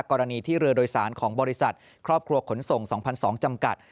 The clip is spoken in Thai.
กรณีที่เรือโดยสารของบริษัทครอบครัวขนส่ง๒๒๐๐จำกัด